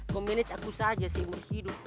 kominya ceku saja sih murhiduh